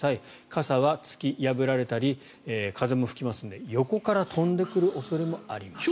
傘は突き破られたり風も吹きますので横から飛んでくる恐れもあります。